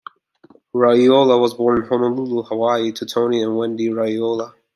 Raiola was born in Honolulu, Hawaii, to Tony and Wendy Raiola.